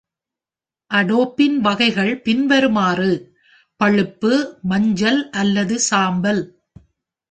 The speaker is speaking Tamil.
அடோப்பின் வகைகள் பின்வருமாறு: பழுப்பு, மஞ்சள் அல்லது சாம்பல்.